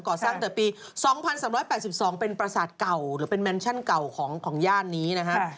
ตั้งแต่ปี๒๓๘๒เป็นประสาทเก่าหรือเป็นแมนชั่นเก่าของย่านนี้นะครับ